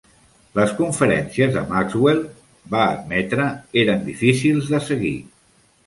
Les conferències de Maxwell, va admetre, eren difícils de seguir.